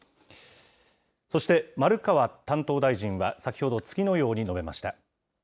そして、丸川担当大臣は先ほど次のように述べました。